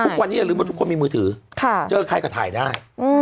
ทุกวันนี้อย่าลืมว่าทุกคนมีมือถือเจอใครก็ถ่ายได้